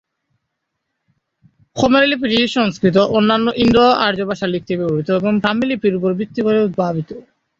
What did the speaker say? খমের লিপিটি সংস্কৃত ও অন্যান্য ইন্দো-আর্য ভাষা লিখতে ব্যবহৃত ব্রাহ্মী লিপির উপর ভিত্তি করে উদ্ভাবিত।